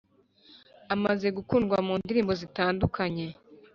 Amaze gukundwa mu ndirimbo zitandukanye